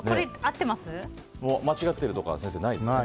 間違ってるとかないですよね。